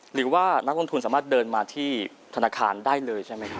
หรือว่านักลงทุนสามารถเดินมาที่ธนาคารได้เลยใช่ไหมครับ